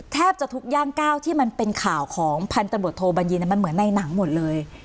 แทบจะทุกย่างก้าวที่มันเป็นข่าวของพันตำรวจโทบัญญินมันเหมือนในหนังหมดเลย